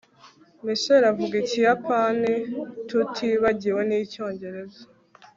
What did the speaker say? michael avuga ikiyapani, tutibagiwe n'icyongereza